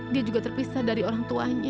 dia juga terpisah dari orang tuanya